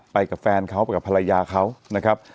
ไปกับแฟนเขาไปกับภรรยาเขานะครับ